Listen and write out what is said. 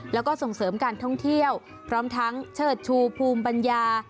แล้วก็ส่งเสริมการท่องเที่ยวพร้อมทั้งเชิดชูภูมิปัญญา